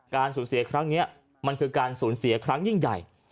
สูญเสียครั้งนี้มันคือการสูญเสียครั้งยิ่งใหญ่